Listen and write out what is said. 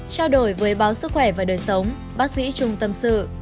trao đổi với báo sức khỏe và đời sống bác sĩ trung tâm sự